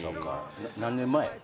何年前？